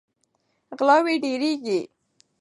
غلاوې ډیریږي.